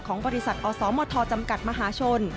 บริษัทอสมทจำกัดมหาชน